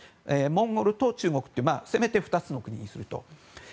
モンゴルと中国とせめて２つにすると。